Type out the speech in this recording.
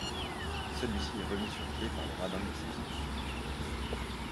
Celui-ci est remis sur pied par le rabbin et ses étudiants.